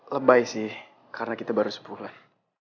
lebay sih karena kita baru sebulan